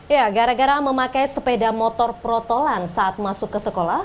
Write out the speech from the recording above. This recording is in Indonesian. ya gara gara memakai sepeda motor protolan saat masuk ke sekolah